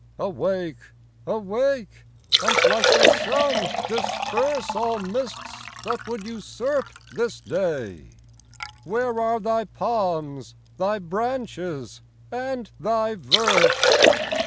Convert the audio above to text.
Awake ! awake ! and, like the sun, disperse All mists that would usurp this day : Where are thy palms, thy branches, and thy verse